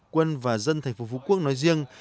quân và dân thành phố phú quốc nói riêng